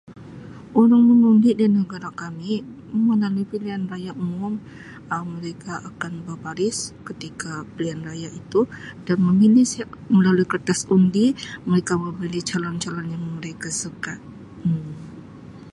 Orang mengundi di negara kami melalui pilihan raya umum Um mereka akan bebaris ketika pilihan raya itu dan memilih sia melalui kertas undi mereka memilih calon-calon yang mereka suka Um.